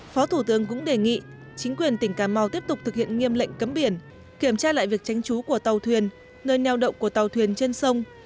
phó thủ tướng cũng đề nghị chính quyền tỉnh cà mau tiếp tục thực hiện nghiêm lệnh cấm biển kiểm tra lại việc tránh trú của tàu thuyền nơi neo đậu của tàu thuyền trên sông